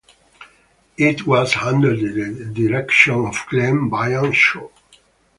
It was under the direction of Glen Byam Shaw.